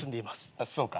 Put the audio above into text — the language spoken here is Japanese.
あっそうか。